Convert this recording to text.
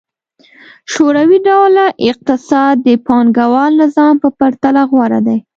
شوروي ډوله اقتصاد د پانګوال نظام په پرتله غوره دی.